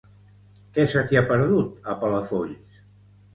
Què se t'hi ha perdut, a Palafolls?